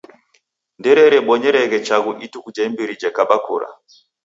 Ndererebonyereghe chaghu ituku ja imbiri jekaba kura.